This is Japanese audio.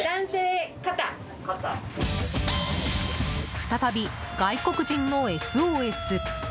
再び、外国人のＳＯＳ！